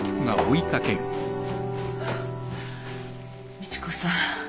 美知子さん。